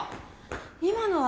今のは？